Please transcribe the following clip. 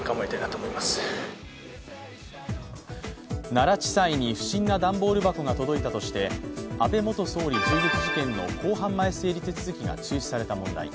奈良地裁に不審な段ボール箱が届いたとして、安倍元総理銃撃事件の公判前整理手続が中止された問題。